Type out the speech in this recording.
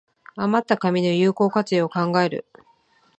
あまった紙の有効活用を考える